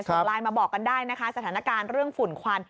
ส่งไลน์มาบอกกันได้นะคะสถานการณ์เรื่องฝุ่นควัน